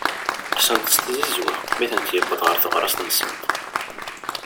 Qqsent-t tzizwa mi tent-yewweḍ ɣer teɣrast-nsent.